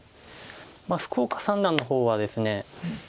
福岡三段の方はですね